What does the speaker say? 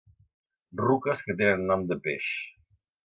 Ruques que tenen nom de peix.